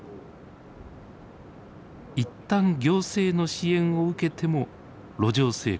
一旦行政の支援を受けても路上生活を繰り返す人。